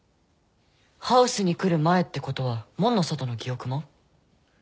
ハウスに来る前ってことは門の外の記憶も？